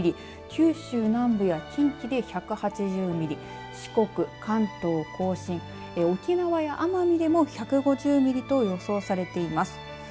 九州南部や近畿で１８０ミリ四国、関東甲信沖縄や奄美でも１５０ミリと予想されています。